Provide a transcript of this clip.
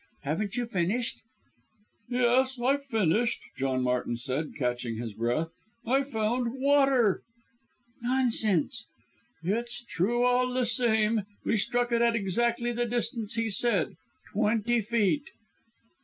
Haven't you finished?" "Yes, I've finished!" John Martin said, catching his breath. "I've found water!" "Nonsense!" "It's true all the same. We struck it at exactly the distance he said twenty feet."